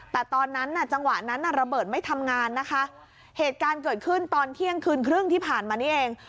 แต่ตอนนั้นน่ะจังหวะนั้นน่ะระเบิดไม่ทำงานนะคะเหตุการณ์เกิดขึ้นตอนเที่ยงคืนครึ่งที่ผ่านมานี่เอง